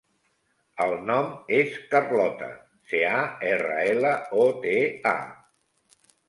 El nom és Carlota: ce, a, erra, ela, o, te, a.